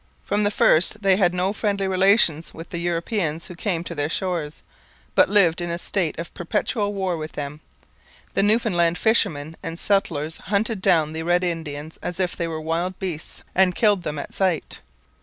From the first, they had no friendly relations with the Europeans who came to their shores, but lived in a state of perpetual war with them. The Newfoundland fishermen and settlers hunted down the Red Indians as if they were wild beasts, and killed them at sight.